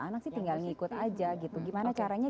anak sih tinggal ngikut aja gitu gimana caranya